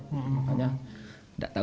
makanya tidak tahu